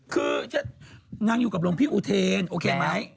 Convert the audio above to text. คือนางอยู่กับหลวงพี่อุเทนโอเคไหม